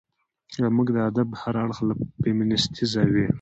زموږ د ادب هر اړخ له فيمنستي زاويې